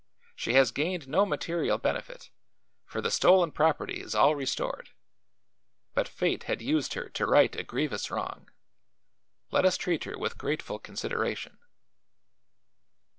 She has gained no material benefit, for the stolen property is all restored; but fate had used her to right a grievous wrong. Let us treat her with grateful consideration."